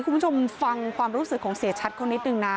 คุณผู้ชมฟังความรู้สึกของเสียชัดเขานิดนึงนะ